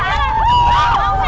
tapi ini tidak mengapa sih bah